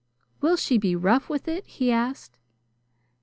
"Will she be rough with it?" he asked.